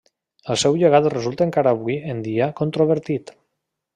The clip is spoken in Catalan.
El seu llegat resulta encara avui en dia controvertit.